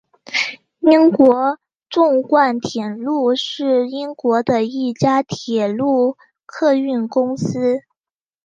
英国纵贯铁路是英国的一家铁路客运公司。